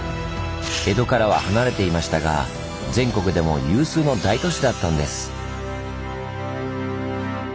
江戸からは離れていましたが全国でも有数の大都市だったんです。